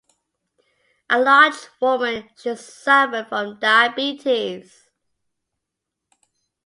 A large woman, she suffered from diabetes.